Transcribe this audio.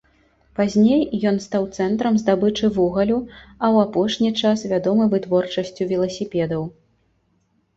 Пазней, ён стаў цэнтрам здабычы вугалю, а ў апошні час вядомы вытворчасцю веласіпедаў.